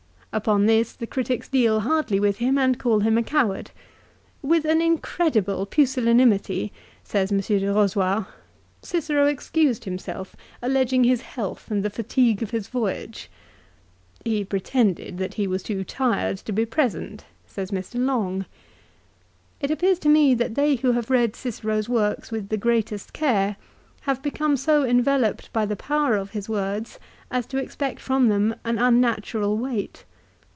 Upon this the critics deal hardly with him and call him a coward. "With an incredible pusillanimity," says M. Du Eozoir, " Cicero ex cused himself, alleging his health and the fatigue of his voyage." " He pretended that he was too tired to be present," says Mr. Long. It appears to me that they who have read Cicero's works with the greatest care have become so enveloped by the power of his words as to expect from them an unnatural weight.